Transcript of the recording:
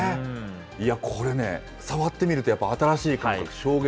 いや、これね、触ってみるとやっぱり新しい感覚、衝撃。